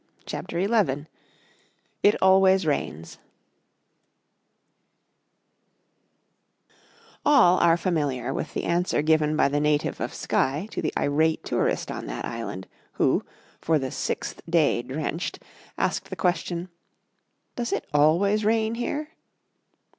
CHAPTER XI IT ALWAYS RAINS All are familiar with the answer given by the native of Skye to the irate tourist on that island, who, for the sixth day drenched, asked the question: "Does it always rain here?"